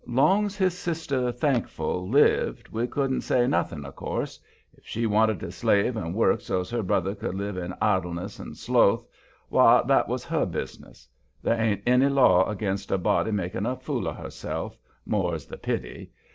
Long's his sister, Thankful, lived, we couldn't say nothing, of course. If she wanted to slave and work so's her brother could live in idleness and sloth, why, that was her business. There ain't any law against a body's making a fool of herself, more's the pity.